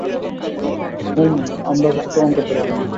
ওম, আমরা কিছু প্রমাণ করতে পারব না।